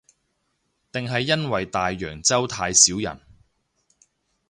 定係因為大洋洲太少人